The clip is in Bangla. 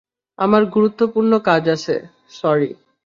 আমার গুরুত্বপূর্ণ কাজ আছে, সরি।